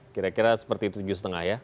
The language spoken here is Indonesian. kira kira seperti tujuh lima ya